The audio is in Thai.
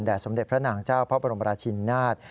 สมเด็จพระนางเจ้าพระบรมราชินินาศ